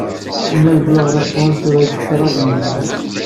Nna Lǧuheṛ Tabetṛunt tura-d kraḍ yedlisen.